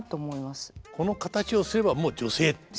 この形をすればもう女性っていう？